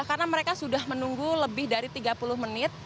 karena mereka sudah menunggu lebih dari tiga puluh menit